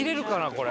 これ。